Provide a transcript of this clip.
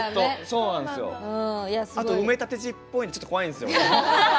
あと、埋め立て地っぽいの怖いんですよね。